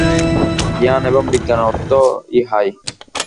জ্ঞান এবং বিজ্ঞানের অর্থ ইহাই।